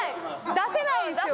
出せないですよね。